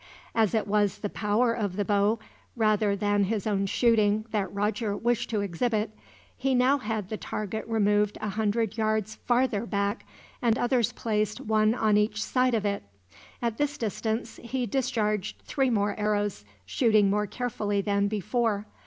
As it was the power of the bow, rather than his own shooting, that Roger wished to exhibit, he now had the target removed a hundred yards farther back, and others placed one on each side of it. At this distance he discharged three more arrows, shooting more carefully than before.